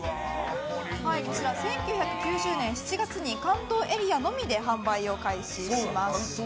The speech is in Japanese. こちら１９９０年７月に関東エリアのみで販売を開始しました。